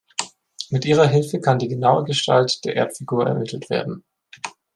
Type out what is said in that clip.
Mit ihrer Hilfe kann die genaue Gestalt der Erdfigur ermittelt werden.